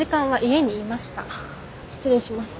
失礼します。